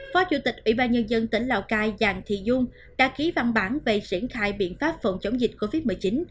phó chủ tịch ủy ban nhân dân tỉnh lào cai giàng thị dung đã ký văn bản về triển khai biện pháp phòng chống dịch covid một mươi chín